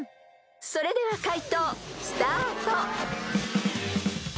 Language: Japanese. ［それでは解答スタート］